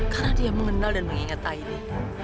karena dia mengenal dan mengingat aini